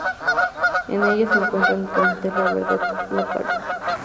En ella se encuentran únicamente la Vereda La Palma.